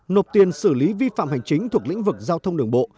nộp tiền xử lý vi phạm hành chính thuộc lĩnh vực giao thông đường bộ